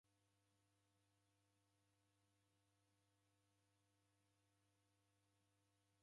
W'ikenyi sahii renyu kwa iji ilaghano iw'ishi